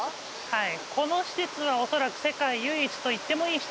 はい。